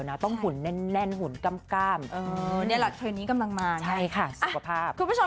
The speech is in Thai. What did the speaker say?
ผมอาจจะโรคจิตว่าเขาอีกผมลงรูปก่อนเสื้อขนาดนี้